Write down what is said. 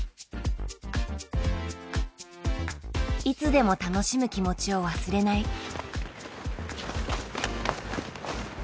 いつでも楽しむ気持ちを忘れない。